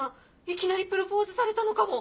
いきなりプロポーズされたのかも！